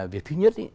việc thứ nhất